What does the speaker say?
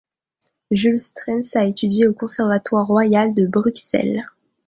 Jules Strens a étudie au Conservatoire royal de Bruxelles.